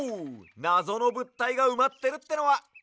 なぞのぶったいがうまってるってのはここかい？